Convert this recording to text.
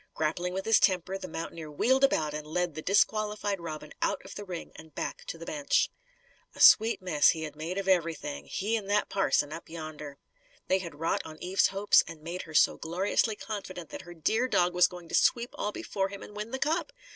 Grappling with his temper, the mountaineer wheeled about and led the disqualified Robin out of the ring and back to the bench. A sweet mess he had made of everything; he and that parson, up yonder! They had wrought on Eve's hopes and had made her so gloriously confident that her dear dog was going to sweep all before him and win the cup!